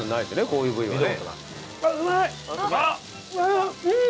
こういう部位はね。